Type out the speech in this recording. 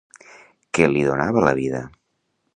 Què li donava la vida?